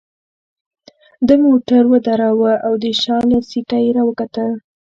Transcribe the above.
ده موټر ودراوه او د شا له سیټه يې راوکتل.